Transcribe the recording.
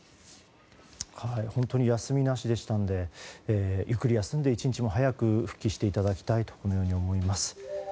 本当に休みなしでしたのでゆっくり休んで、一日も早く復帰していただきたいと思います。